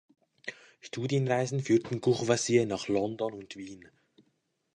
Studienreisen führten Courvoisier nach London und Wien.